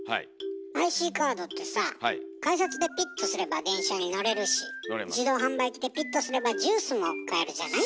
ＩＣカードってさ改札でピッとすれば電車に乗れるし自動販売機でピッとすればジュースも買えるじゃない？